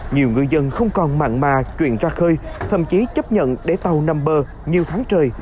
nhiều ngư dân không còn mặn mà chuyển ra khơi thậm chí chấp nhận để tàu nằm bờ nhiều tháng trời